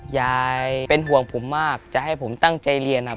ยายเป็นห่วงผมมากจะให้ผมตั้งใจเรียนอ่ะ